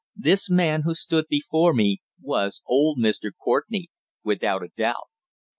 This man who stood before me was old Mr. Courtenay, without a doubt.